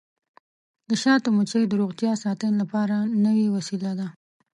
د شاتو مچۍ د روغتیا ساتنې لپاره نوې وسیله ده.